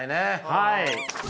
はい。